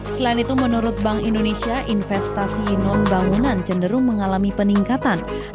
selain itu menurut bank indonesia investasi non bangunan cenderung mengatasi kemampuan ekonomi dan kemampuan ekonomi